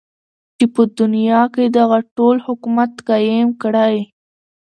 چی په دنیا کی دغه ډول حکومت قایم کړی.